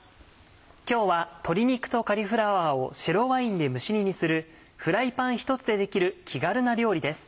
今日は鶏肉とカリフラワーを白ワインで蒸し煮にするフライパン１つでできる気軽な料理です。